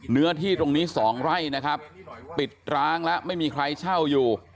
เนื้อที่ตรงนี้๒ไร่นะครับปิดร้างแล้วไม่มีใครเช่าอยู่